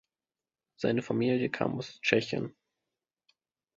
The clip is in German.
Seine Familie kam aus Tschechien.